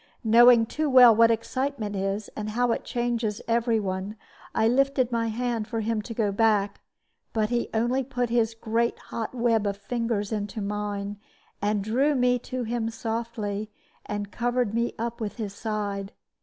Knowing too well what excitement is, and how it changes every one, I lifted my hand for him to go back; but he only put his great hot web of fingers into mine, and drew me to him softly, and covered me up with his side.